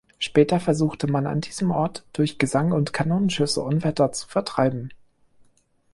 Später versuchte man an diesem Ort durch Gesang und Kanonenschüsse Unwetter zu vertreiben.